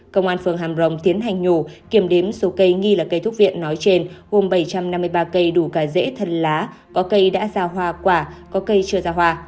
công an phường hàm rồng tiến hành nhù kiểm đếm số cây nghi là cây thuốc viện nói trên gồm bảy trăm năm mươi ba cây đủ cả dễ thân lá có cây đã ra hoa quả có cây chưa ra hoa